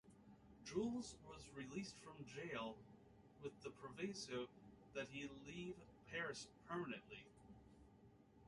Jules was released from jail with the proviso that he leave Paris permanently.